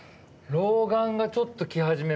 老眼がちょっと来始めました。